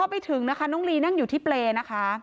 พอไปถึงนะคะน้องลีนั่งอยู่ที่เปรย์นะคะ